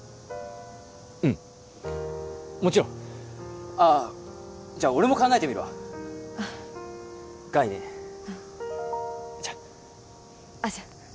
うんもちろんああじゃあ俺も考えてみるわ概念じゃっあじゃあ